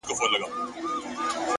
صبر د بریا خاموش ملګری دی